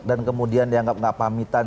dan kemudian dianggap gak pamitan